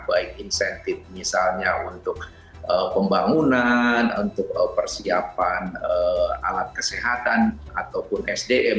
baik insentif misalnya untuk pembangunan untuk persiapan alat kesehatan ataupun sdm